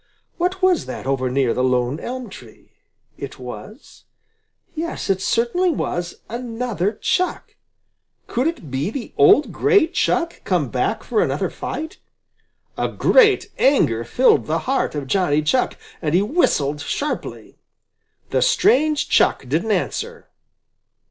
What was that over near the lone elm tree? It was yes, it certainly was another Chuck! Could it be the old gray Chuck come back for another fight? A great anger filled the heart of Johnny Chuck, and he whistled sharply. The strange Chuck didn't answer.